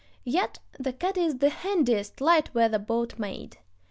Yet the cat is the handiest light weather boat made.